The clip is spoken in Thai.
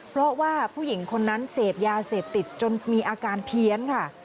เพราะว่าผู้หญิงคนนั้นเสพยาเสพติดจนมีอาการเพี้ยนค่ะ